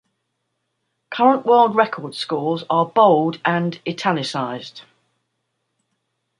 Current world record scores are bold and "italicized".